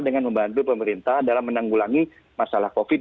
dengan membantu pemerintah dalam menanggulangi masalah covid